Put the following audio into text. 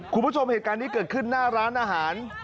คุณผู้ชมเหตุการณ์นี้เกิดขึ้นหน้าร้านอาหาร